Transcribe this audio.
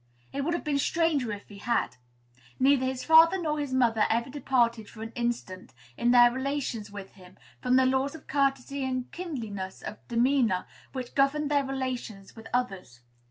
It would have been stranger if he had. Neither his father nor his mother ever departed for an instant, in their relations with him, from the laws of courtesy and kindliness of demeanor which governed their relations with others.